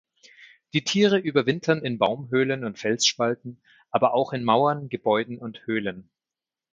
Die Tiere überwintern in Baumhöhlen und Felsspalten, aber auch in Mauern, Gebäuden und Höhlen.